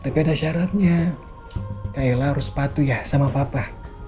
tapi ada syaratnya kaila harus sepatu ya sama papa